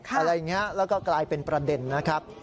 อะไรอย่างนี้แล้วก็กลายเป็นประเด็นนะครับ